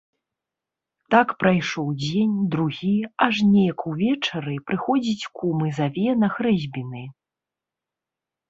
Так прайшоў дзень, другі, аж неяк увечары прыходзіць кум і заве на хрэсьбіны.